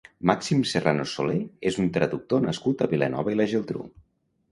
Màxim Serranos Soler és un traductor nascut a Vilanova i la Geltrú.